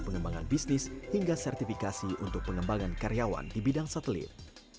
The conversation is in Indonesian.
pengembangan bisnis hingga sertifikasi untuk pengembangan karyawan di bidang satelit